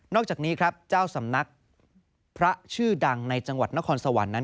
อกจากนี้ครับเจ้าสำนักพระชื่อดังในจังหวัดนครสวรรค์นั้น